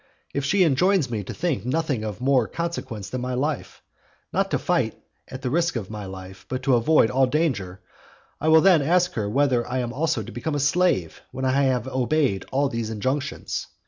If she enjoins me to think nothing of more consequence than my life, not to fight at the risk of my life, but to avoid all danger, I will then ask her whether I am also to become a slave when I have obeyed all these injunctions?